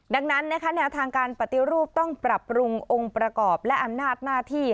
ดังนั้นนะคะแนวทางการปฏิรูปต้องปรับปรุงองค์ประกอบและอำนาจหน้าที่